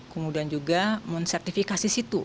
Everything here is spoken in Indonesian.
kemudian juga mensertifikasi situ